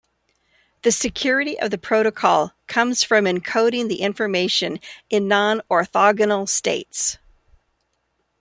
The security of the protocol comes from encoding the information in non-orthogonal states.